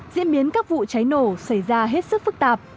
diễn biến các vụ cháy nổ xảy ra hết sức phức tạp